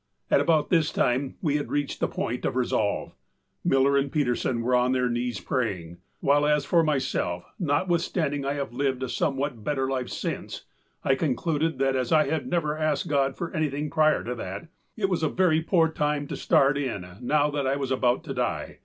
At about this time we had reached the point of resolve; Miller and Peterson were on their knees praying, while as for myself, nothwithstanding I have lived a somewhat better life since, I concluded that as I had never asked God for anything prior to that, it was a very poor time to start in now that I was about to die.